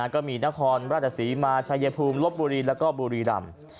ก็มีนครราชศรีมาชายภูมิลบบุรีแล้วก็บุรีรำ